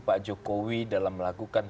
pak jokowi dalam melakukan